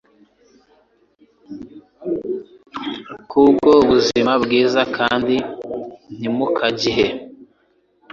kubwo ubuzima bwiza, kandi ntimukagihe